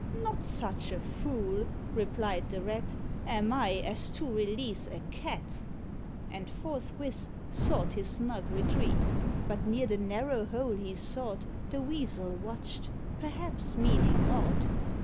"Not such a fool," replied the Rat, "Am I as to release a Cat!" And forthwith sought his snug retreat; But near the narrow hole he sought The Weasel watched, perhaps meaning nought.